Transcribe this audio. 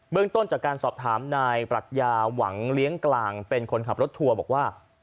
เรื่องต้นจากการสอบถามนายปรัชญาหวังเลี้ยงกลางเป็นคนขับรถทัวร์บอกว่า